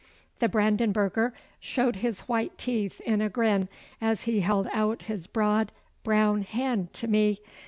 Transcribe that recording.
The Brandenburger showed his white teeth in a grin as he held out his broad brown hand to me.